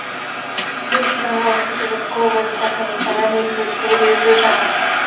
Ввечеру быть уже сговору, так не пора ли ей сказать, что выдают ее замуж?